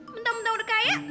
bentang bentang udah kaya